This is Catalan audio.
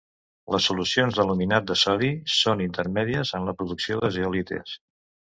Les solucions d'aluminat de sodi són intermèdies en la producció de zeolites.